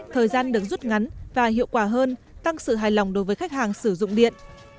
thời gian được rút ngắn và hiệu quả hơn tăng sự hài lòng đối với khách hàng sử dụng điện